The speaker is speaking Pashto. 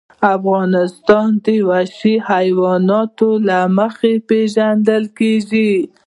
افغانستان د وحشي حیواناتو له مخې پېژندل کېږي.